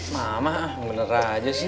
mamah bener aja sih